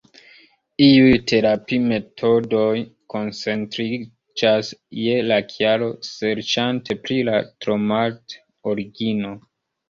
Iuj terapi-metodoj koncentriĝas je la kialo, serĉante pri la traŭmat-origino.